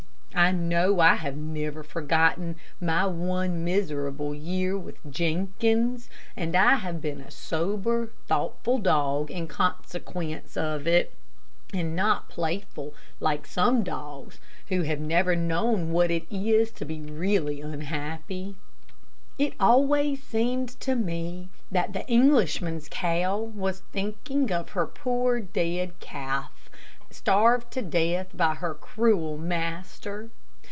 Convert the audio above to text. I know that I have never forgotten my one miserable year with Jenkins, and I have been a sober, thoughtful dog in consequence of it, and not playful like some dogs who have never known what it is to be really unhappy. It always seemed to me that the Englishman's cow was thinking of her poor dead calf, starved to death by her cruel master.